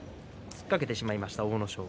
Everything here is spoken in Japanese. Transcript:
突っかけてしまいました阿武咲。